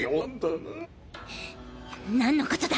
くっ何のことだ！